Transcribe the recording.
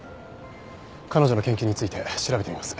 彼女の研究について調べてみます。